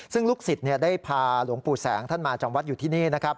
ซึ่งลูกศิษย์ได้พาหลวงปู่แสงท่านมาจำวัดอยู่ที่นี่นะครับ